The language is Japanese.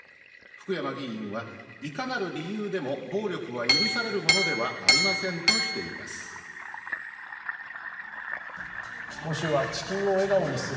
福山議員は、いかなる理由でも暴力は許されるものではありませんとしています。